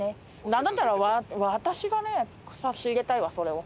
なんだったら私がね差し入れたいわそれを。